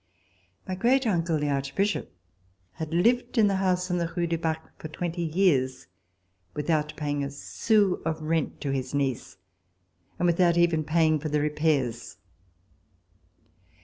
My great uncle, the Archbishop, had lived in the house in the Rue du Bac for twenty years without paying a sou of rent to his niece and without even paying for the repairs.